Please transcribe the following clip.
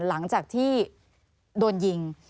หลังจากที่โดนยิง